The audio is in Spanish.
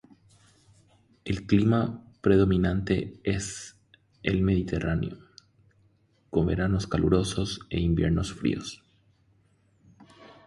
El clima predominante es el mediterráneo, con veranos calurosos e inviernos fríos.